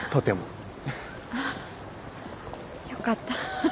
あっよかった。